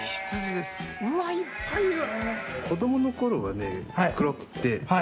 うわいっぱいいる！